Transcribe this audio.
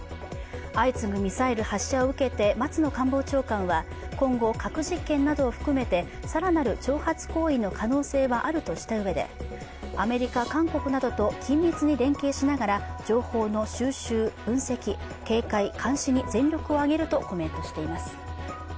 相次ぐミサイル発射を受けて松野官房長官は今後、核実験などを含めて更なる挑発行為の可能性はあるとしたうえでアメリカ、韓国などと緊密に連携しながら情報の収集、分析警戒監視に全力を挙げるとコメントしています。